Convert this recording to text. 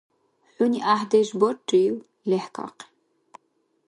ХӀуни гӀяхӀдеш баррив - лехӀкахъи,